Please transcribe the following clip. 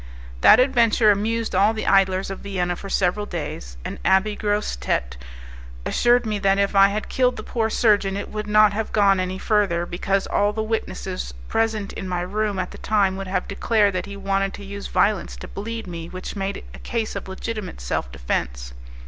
That adventure amused all the idlers of Vienna for several days, and Abbé Grosse Tete assured me that if I had killed the poor surgeon, it would not have gone any further, because all the witnesses present in my room at the time would have declared that he wanted to use violence to bleed me, which made it a case of legitimate self defence.